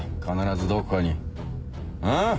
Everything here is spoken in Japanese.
必ずどこかにん？